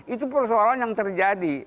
itu persoalan yang terjadi